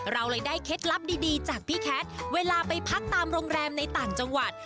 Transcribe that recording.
เราเลยได้เคล็ดลับดีจากพี่แคทเวลาไปพักตามโรงแรมในต่างจังหวัด